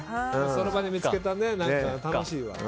その場で見つけたの楽しいわ。